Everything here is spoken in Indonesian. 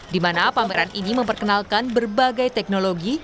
di mana pameran ini memperkenalkan berbagai teknologi